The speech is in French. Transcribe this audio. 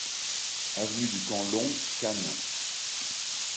Avenue du Camp Long, Cannes